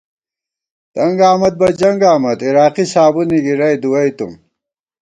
تنگ آمد بہ جنگ آمد عراقی صابُنےگِرَئی دُوَئیتُم